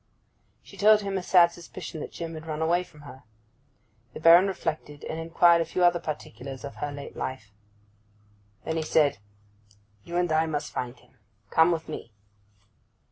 She told him her sad suspicion that Jim had run away from her. The Baron reflected, and inquired a few other particulars of her late life. Then he said: 'You and I must find him. Come with me.